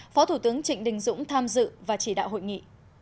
phó thủ tướng trịnh đình dũng tham dự và chỉ đạo hội nghị